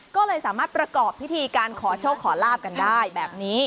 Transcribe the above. ก็เลยสามารถประกอบพิธีการขอโชคขอลาบกันได้แบบนี้